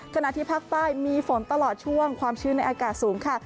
ขณะที่ภาคใต้มีฝนตลอดช่วงความชื้นในอากาศสูงค่ะ